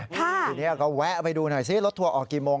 ทีนี้ก็แวะไปดูหน่อยซิรถทัวร์ออกกี่โมง